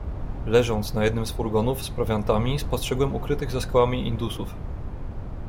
"„Leżąc na jednym z furgonów z prowiantami, spostrzegłem ukrytych za skałami indusów."